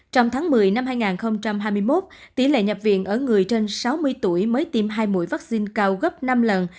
trong tháng một mươi năm hai nghìn hai mươi một tỷ lệ nhập viện ở người trên sáu mươi tuổi mới tiêm hai mũi vaccine cao gấp năm lần